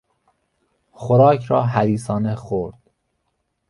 خوراک را حریصانه خورد.